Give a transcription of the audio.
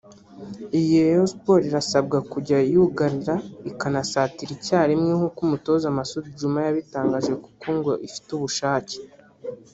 Iyi Rayon Sports irasabwa kujya yugarira ikanasatirira icyarimwe nk'uko umutoza Masudi Djuma yabitangaje kuko ngo ifite ubushake